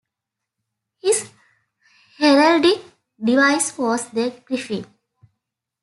His heraldic device was the griffin.